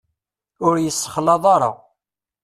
Ur yessexlaḍ ara.